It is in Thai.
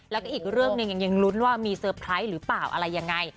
แล้วก็อีกเรื่องหนึ่งยังลุ้นว่ามีเซอร์ไพรส์หรือเปล่าอะไรยังไง